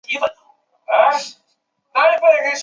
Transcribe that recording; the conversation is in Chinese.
这可能会增加政治和社会的两极分化和极端主义。